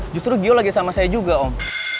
justru gio lagi sama saya juga om